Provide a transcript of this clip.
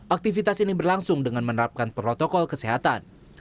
aktivitas ini berlangsung dengan menerapkan protokol kesehatan